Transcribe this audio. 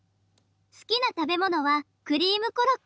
好きな食べ物はクリームコロッケです。